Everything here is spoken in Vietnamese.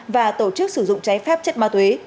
và tổ chức sử dụng trái phép chất ma túy